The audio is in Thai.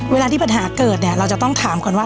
เวลาที่ปัญหาเกิดเนี่ยเราจะต้องถามก่อนว่า